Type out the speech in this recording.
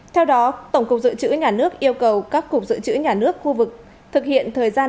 theo đó tổng cục dự trữ nhà nước yêu cầu các cục dự trữ nhà nước khu vực thực hiện thời gian